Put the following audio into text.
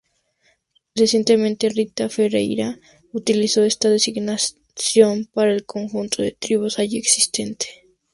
Recientemente, Rita Ferreira utilizó esta designación para el conjunto de tribus allí existente.